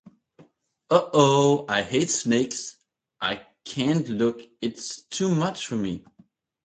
Uh oh, I hate snakes! I can't look, it's too much for me.